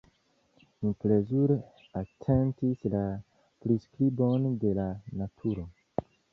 Mi plezure atentis la priskribon de la naturo.